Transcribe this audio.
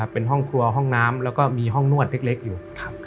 เป็นห้องครัวห้องน้ำแล้วก็มีห้องนวดเล็กอยู่